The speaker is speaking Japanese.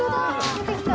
出てきた。